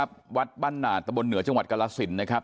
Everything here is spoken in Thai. วัดบ้านหนาดตะบนเหนือจังหวัดกรสินนะครับ